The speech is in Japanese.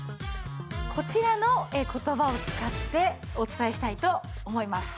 こちらの言葉を使ってお伝えしたいと思います。